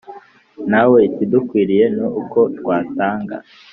Ntawe ikidukwiriye ni uko twatanga